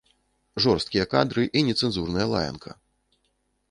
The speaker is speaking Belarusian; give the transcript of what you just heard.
Жорсткія кадры і нецэнзурная лаянка!